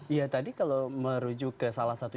iya tadi kalau merujuk ke salah satu